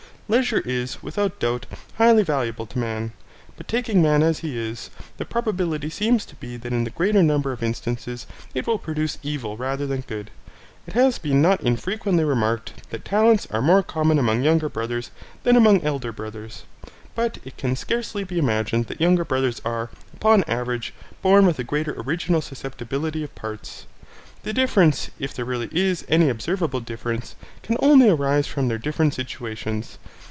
Leisure is, without doubt, highly valuable to man, but taking man as he is, the probability seems to be that in the greater number of instances it will produce evil rather than good. It has been not infrequently remarked that talents are more common among younger brothers than among elder brothers, but it can scarcely be imagined that younger brothers are, upon an average, born with a greater original susceptibility of parts. The difference, if there really is any observable difference, can only arise from their different situations.